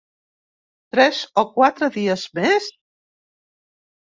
Tres o quatre dies més?